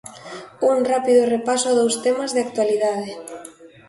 Un rápido repaso a dous temas de actualidade.